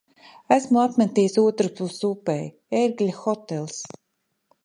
Esmu apmeties otrpus upei. "Ērgļa hotelis".